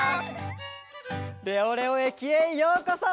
レオレオ駅へようこそ！